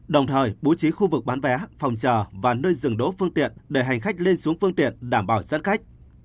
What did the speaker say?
đồng thời bố trí khu vực bán vé phòng chờ và nơi dừng đỗ phương tiện để hành khách lên xuống phương tiện đảm bảo sát khách